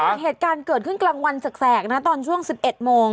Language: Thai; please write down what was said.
แต่เหตุการณ์เกิดขึ้นกลางวันแสกนะตอนช่วง๑๑โมง